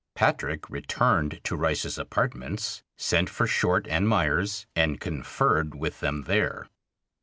Patrick returned to Rice's apartments, sent for Short and Meyers, and conferred with them there.